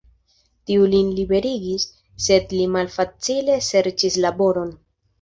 Tiu lin liberigis, sed li malfacile serĉis laboron.